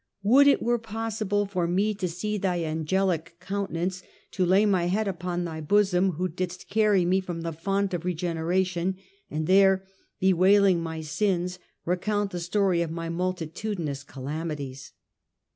* Would it were possible for me to see thy angelic countenance, to lay my head upon thy bosom who didst carry me from the font of regeneration, and there, bewailing my sins, recount the story of my multitudinous calamities.'